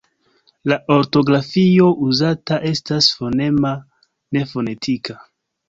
La ortografio uzata estas fonema, ne fonetika.